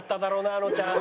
あのちゃん。